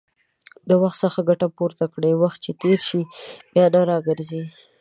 د وخت څخه ګټه پورته کړئ، وخت چې تېر شي، بيا نه راګرځي